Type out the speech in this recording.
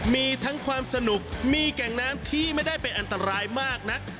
มีทั้งความสนุกมีแก่งน้ำที่ไม่ได้เป็นอันตรายมากนัก